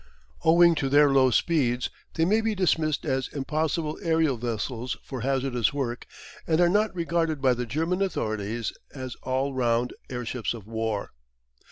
Owing to their low speeds they may be dismissed as impossible aerial vessels for hazardous work and are not regarded by the German authorities as all round airships of war.